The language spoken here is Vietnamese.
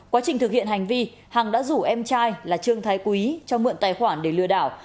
quá trình thực hiện hành vi hằng đã rủ em trai là trương thái quý cho mượn tài khoản để lừa đảo